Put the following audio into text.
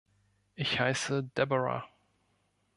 Ich heiße Deborah.